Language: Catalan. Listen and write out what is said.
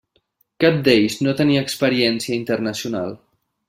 Cap d'ells no tenia experiència internacional.